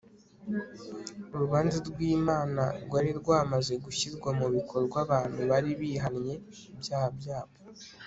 Urubanza rwImana rwari rwamaze gushyirwa mu bikorwa abantu bari bihanye ibyaha byabo